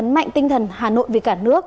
mạnh tinh thần hà nội vì cả nước